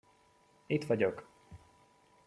Itt vagyok!